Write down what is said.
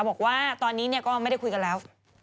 บอกว่าตอนนี้ก็ไม่ได้คุยกันแล้ว